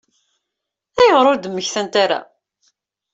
Ayɣer ur d-mmektant ara?